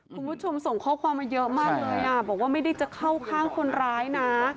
คุณผู้ชมส่งข้อความมาเยอะมากเลยอ่ะบอกว่าไม่ได้จะเข้าข้างคนร้ายนะ